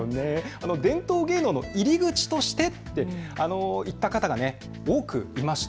伝統芸能の入り口としてといった方が多くいました。